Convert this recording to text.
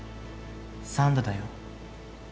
三度だよ。